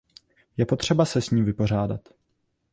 Je potřeba se s ní vypořádat.